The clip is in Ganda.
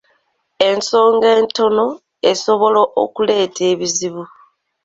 Ensonga entono esobola okuleeta ebizibu.